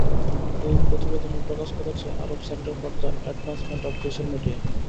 ওই প্রতিবেদনের প্রকাশ করেছে Arab centre for the advancement of social media.